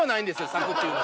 「裂く」っていうのは。